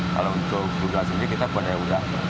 kalau untuk rudal sendiri kita punya udah